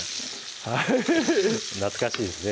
はい懐かしいですね